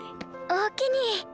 おおきに。